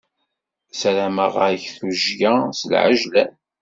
Ssarameɣ-ak tujjya s lɛejlan.